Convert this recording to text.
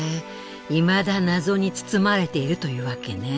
いまだ謎に包まれているというわけね。